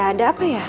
ada apa ya